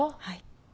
はい。